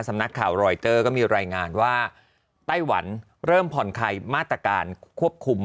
สำนักข่าวรอยเตอร์ก็มีรายงานว่าไต้หวันเริ่มผ่อนคลายมาตรการควบคุม